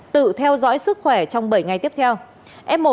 tự theo dõi sức khỏe trong bảy ngày tiếp theo